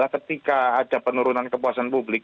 ketika ada penurunan kepuasan publik